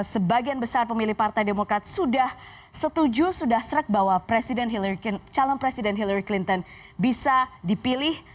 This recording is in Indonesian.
sebagian besar pemilih partai demokrat sudah setuju sudah serek bahwa calon presiden hillary clinton bisa dipilih